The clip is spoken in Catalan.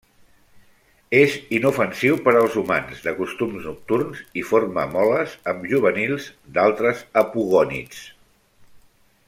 És inofensiu per als humans, de costums nocturns i forma moles amb juvenils d'altres apogònids.